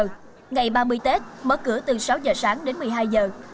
ngày ba mươi tết mở cửa từ sáu giờ sáng đến một mươi hai giờ